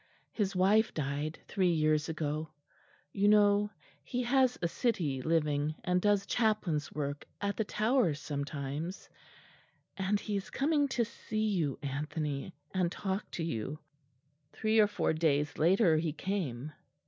His wife died three years ago; you know he has a city living and does chaplain's work at the Tower sometimes; and he is coming to see you, Anthony, and talk to you." Three or four days later he came.